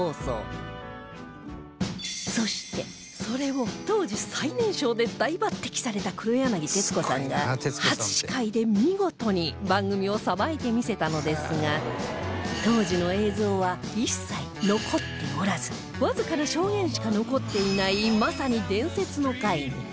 そしてそれを当時最年少で大抜擢された黒柳徹子さんが初司会で見事に番組をさばいてみせたのですが当時の映像は一切残っておらずわずかな証言しか残っていないまさに伝説の回に